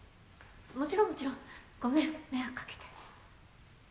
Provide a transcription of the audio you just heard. もちろんもちろん。ごめん迷惑かけて。